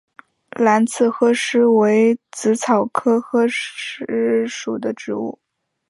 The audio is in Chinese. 蓝刺鹤虱为紫草科鹤虱属的植物。